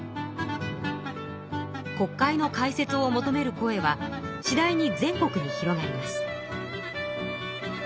国会の開設を求める声はしだいに全国に広がります。